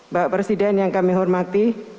bapak presiden yang kami hormati